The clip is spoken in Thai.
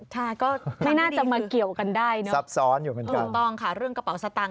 ใช่ก็ไม่น่าจะมาเกี่ยวกันได้เนอะถูกต้องค่ะเรื่องกระเป๋าสตางค์